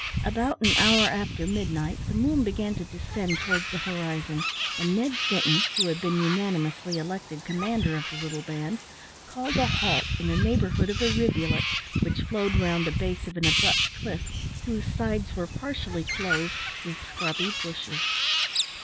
About an hour after midnight the moon began to descend towards the horizon, and Ned Sinton, who had been unanimously elected commander of the little band, called a halt in the neighbourhood of a rivulet, which flowed round the base of an abrupt cliff whose sides were partially clothed with scrubby bushes.